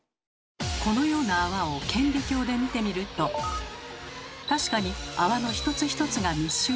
このような泡を顕微鏡で見てみると確かに泡の一つ一つが密集しています。